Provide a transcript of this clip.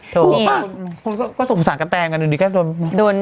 พวกเขาถูกสั่งกะแตงกันอยู่ดีแกโดน